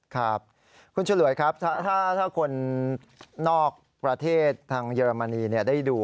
ครับคุณฉลวยครับถ้าคนนอกประเทศทางเยอรมนีได้ดู